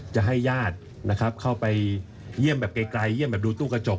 จะให้ญาตินะครับเข้าไปเยี่ยมแบบไกลเยี่ยมแบบดูตู้กระจก